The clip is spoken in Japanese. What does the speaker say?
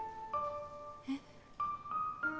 えっ？